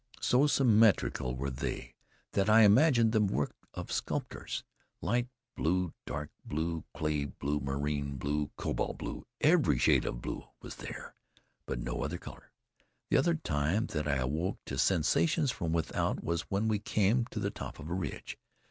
So symmetrical were they that I imagined them works of sculptors. Light blue, dark blue, clay blue, marine blue, cobalt blue every shade of blue was there, but no other color. The other time that I awoke to sensations from without was when we came to the top of a ridge.